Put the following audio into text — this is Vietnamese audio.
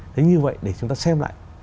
thế như vậy để chúng ta xem lại